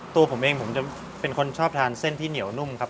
ตัวผมเองผมจะเป็นคนชอบทานเส้นที่เหนียวนุ่มครับ